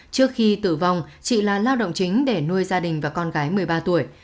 trước khi tử vong chị là lao động chính để nuôi gia đình và con gái một mươi ba tuổi